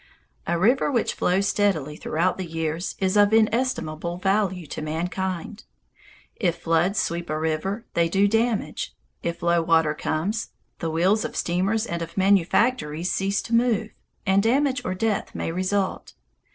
A river which flows steadily throughout the year is of inestimable value to mankind. If floods sweep a river, they do damage. If low water comes, the wheels of steamers and of manufactories cease to move, and damage or death may result.